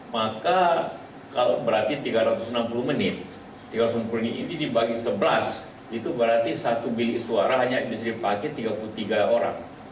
maka kalau berarti tiga ratus enam puluh menit tiga ratus enam puluh menit ini dibagi sebelas itu berarti satu bilik suara hanya bisa dipakai tiga puluh tiga orang